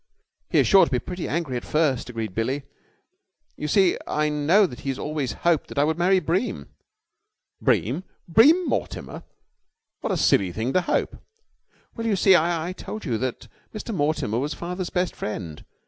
"He is sure to be pretty angry at first," agreed Billie. "You see I know he has always hoped that I would marry Bream." "Bream! Bream Mortimer! What a silly thing to hope!" "Well, you see, I told you that Mr. Mortimer was father's best friend.